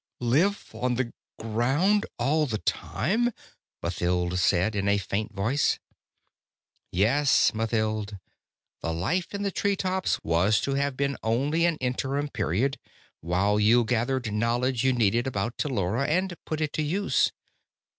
"Live on the ground all the time?" Mathild said in a faint voice. "Yes, Mathild. The life in the treetops was to have been only an interim period, while you gathered knowledge you needed about Tellura and put it to use.